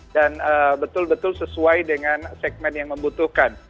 dan betul betul sesuai dengan segmen yang membutuhkan